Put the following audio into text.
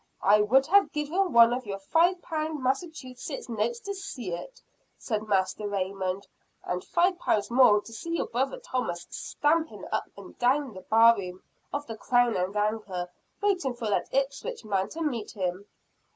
"I would have given one of your five pound Massachusetts notes to see it," said Master Raymond. "And five pounds more to see your brother Thomas stamping up and down the bar room of the 'Crown and Anchor,' waiting for that Ipswich man to meet him."